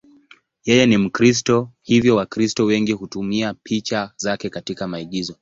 Yeye ni Mkristo, hivyo Wakristo wengi hutumia picha zake katika maigizo.